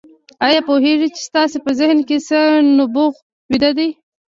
آيا پوهېږئ چې ستاسې په ذهن کې څه نبوغ ويده دی؟